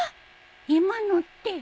今のって。